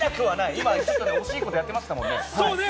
今、惜しいことやってましたもんね。